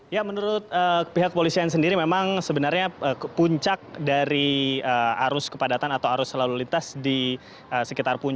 ya menurut pihak polisian sendiri memang sebenarnya puncak dari arus kepadatan atau arus lalu lintas di sekitar puncak